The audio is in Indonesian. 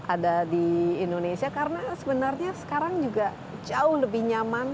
ada di indonesia karena sebenarnya sekarang juga jauh lebih nyaman